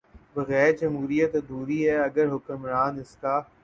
بغیر جمہوریت ادھوری ہے اگر حکمران اس کا